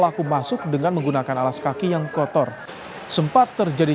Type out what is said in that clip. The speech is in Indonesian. apa yang menjadikan kekuatannya terjadi